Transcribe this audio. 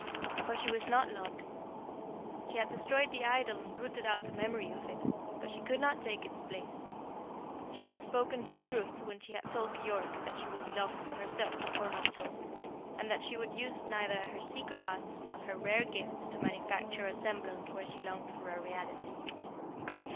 For she was not loved. She had destroyed the idol and rooted out the memory of it, but she could not take its place. She had spoken the truth when she had told Keyork that she would be loved for herself, or not at all, and that she would use neither her secret arts nor her rare gifts to manufacture a semblance when she longed for a reality.